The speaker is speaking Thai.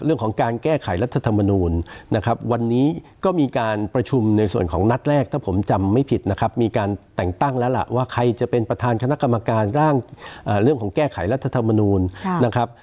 เรื่องของการแก้ไขรัฐธรรมนูลนะครับวันนี้ก็มีการประชุมในส่วนของนัดแรกถ้าผมจำไม่ผิดนะครับมีการแต่งตั้งแล้วล่ะว่าใครจะเป็นประธานคณะกรรมการร่างเรื่องของแก้ไขรัฐธรรมนูลนะครับ